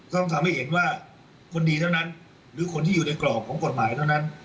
ต้องทำให้เห็นว่าคนดีเท่านั้นหรือคนที่อยู่ในกรอบของกฎหมายเท่านั้น